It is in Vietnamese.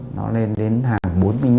nó lên đến hàng bốn mươi năm